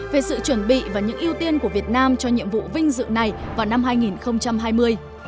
về sự chuẩn bị và những ưu tiên của việt nam cho nhiệm vụ vinh dự này vào năm hai nghìn hai mươi